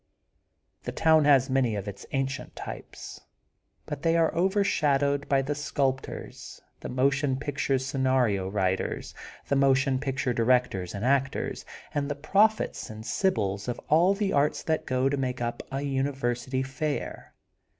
The town has many of its ancient types. But they are overshadowed by the sculptors, the motion picture scenario writers, the motion picture directors and actors, and the prophets and sibyls of all the arts that go to make up a University Fair.